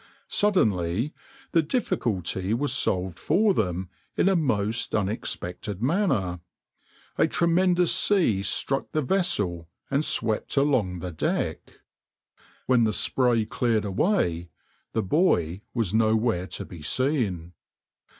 Suddenly the difficulty was solved for them in a most unexpected manner. A tremendous sea struck the vessel and swept along the deck. When the spray cleared away the boy was nowhere to be seen.